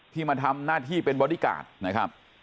ที่มาทำหน้าที่เป็นบอดี้การ์ด